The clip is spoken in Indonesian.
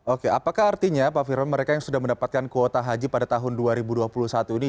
oke apakah artinya pak firman mereka yang sudah mendapatkan kuota haji pada tahun dua ribu dua puluh satu ini